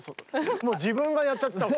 もう自分がやっちゃってたもん。